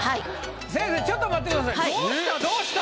先生ちょっと待ってください。